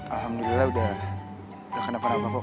alhamdulillah udah gak kena parah parah kok